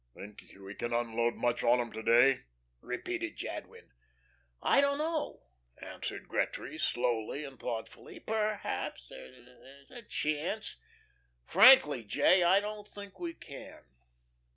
"Think we can unload much on 'em to day?" repeated Jadwin. "I don't know," answered Gretry, slowly and thoughtfully. "Perhaps there's a chance . Frankly, J., I don't think we can.